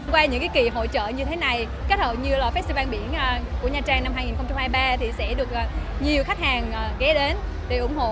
qua những kỳ hội trợ như thế này kết hợp như là festival biển của nha trang năm hai nghìn hai mươi ba thì sẽ được nhiều khách hàng ghé đến để ủng hộ